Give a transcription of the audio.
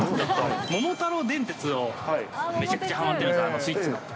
桃太郎電鉄をめちゃくちゃはまっているんで、スイッチの。